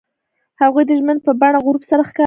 هغوی د ژمنې په بڼه غروب سره ښکاره هم کړه.